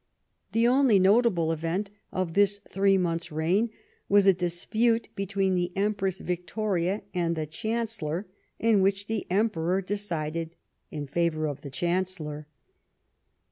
The only notable event of this three months' reign was a dispute between the Empress Victoria and the Chancellor, in which the Emperor decided in favour of the Chancellor.